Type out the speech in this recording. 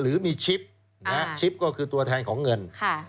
หรือมีชิปชิปก็คือตัวแทนของเงิน